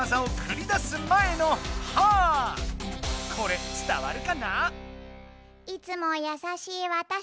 これ伝わるかな？